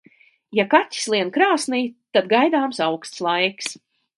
Ja kaķis lien krāsnī, tad gaidāms auksts laiks.